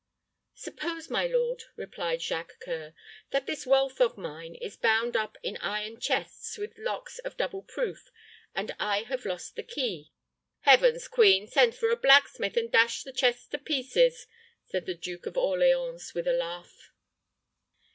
"Suppose, my lord," replied Jacques C[oe]ur, "that this wealth of mine is bound up in iron chests, with locks of double proof, and I have lost the key." "Heaven's queen, send for a blacksmith, and dash the chests to pieces," said the Duke of Orleans, with a laugh.